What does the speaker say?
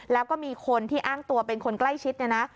แล้วก็มีคนที่อ้างตัวเป็นคนใกล้ชิดเนี่ยนะ